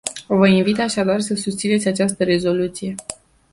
Vă invit așadar să susțineți această rezoluție.